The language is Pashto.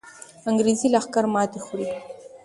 انګریزي لښکر ماتې خوري.